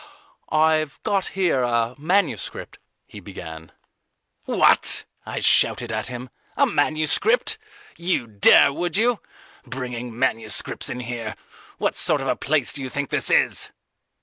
"I've got here a manuscript," he began. "What!" I shouted at him. "A manuscript! You'd dare, would you! Bringing manuscripts in here! What sort of a place do you think this is?"